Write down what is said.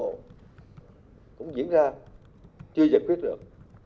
cũng diễn ra chưa giải quyết được